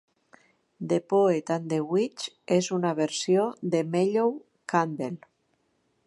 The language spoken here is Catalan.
"The Poet and the Witch" és una versió de Mellow Candle.